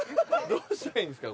・どうしたらいいんですか？